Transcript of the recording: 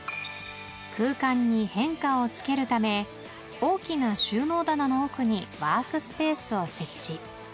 空間に変化をつけるため大きな収納棚の奥にワークスペースを設置